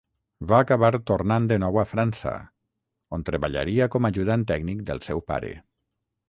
Va acabar tornant de nou a França, on treballaria com ajudant tècnic del seu pare.